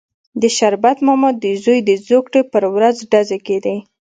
د شربت ماما د زوی د زوکړې پر ورځ ډزې کېدې.